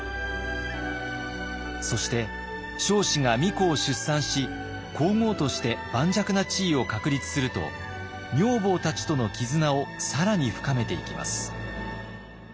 そして彰子が皇子を出産し皇后として盤石な地位を確立すると女房たちとの絆を更に深めていきます。